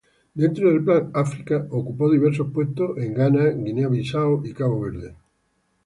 Dentro del Plan África, ocupó diversos puestos en Ghana, Guinea Bissau y Cabo Verde.